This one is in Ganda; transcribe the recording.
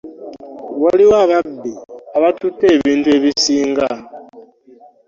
Waliwo ababbi abatutte ebintu ebisinga.